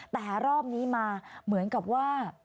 แต่รอบนี้มาเหมือนกับว่า